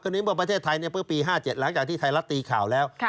ก็นึกว่าประเทศไทยเป็นปี๕๗หลังจากที่ไทยรัฐตีข่าวแล้ว